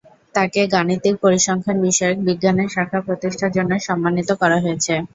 তাকে গাণিতিক পরিসংখ্যান বিষয়ক বিজ্ঞানের শাখা প্রতিষ্ঠার জন্য সম্মানিত করা হয়েছে।